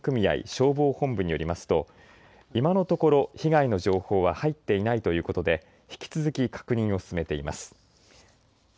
消防本部によりますと今のところ、被害の情報は入っていないということで引き続き確認を進めています。